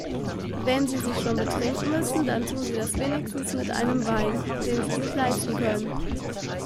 Wenn Sie sich schon betrinken müssen, dann tun Sie das wenigstens mit einem Wein, den Sie sich leisten können.